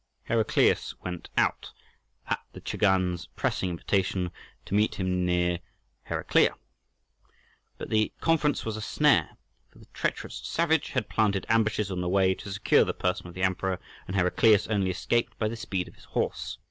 Heraclius went out, at the Chagan's pressing invitation, to meet him near Heraclea. But the conference was a snare, for the treacherous savage had planted ambushes on the way to secure the person of the Emperor, and Heraclius only escaped by the speed of his horse.